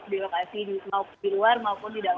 di lokasi di luar maupun di dalam